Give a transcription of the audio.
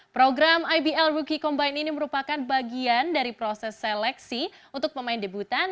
program ibl rookie combine ini merupakan bagian dari proses seleksi untuk pemain debutan